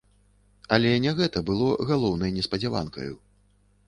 Але не гэта было галоўнай неспадзяванкаю.